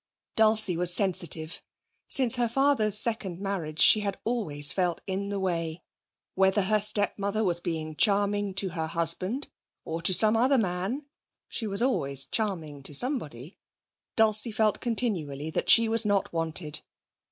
Dulcie was sensitive; since her father's second marriage she had always felt in the way. Whether her stepmother was being charming to her husband, or to some other man she was always charming to somebody Dulcie felt continually that she was not wanted.